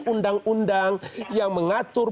undang undang yang mengatur